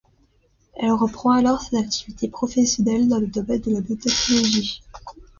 Elle reprend alors ses activités professionnelles dans le domaine de la biotechnologie.